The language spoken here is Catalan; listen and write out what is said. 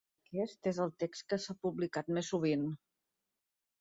Aquest és el text que s'ha publicat més sovint.